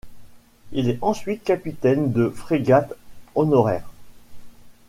Il est ensuite capitaine de frégate honoraire.